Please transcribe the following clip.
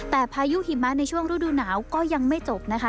แต่พายุหิมะในช่วงฤดูหนาวก็ยังไม่จบนะคะ